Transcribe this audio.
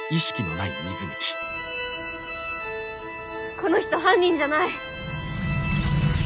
この人犯人じゃない。